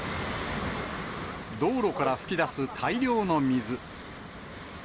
道路から噴き出す大量の水。